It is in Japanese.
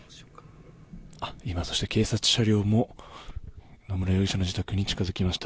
そして警察車両も野村容疑者の自宅に近づきました。